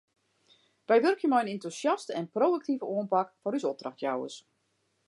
Wy wurkje mei in entûsjaste en pro-aktive oanpak foar ús opdrachtjouwers.